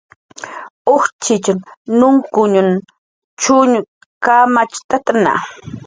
Ujtxitx nunkuñn chuñ kamacht'atna